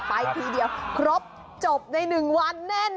ไปทีเดียวครบจบในหนึ่งวันแน่นอน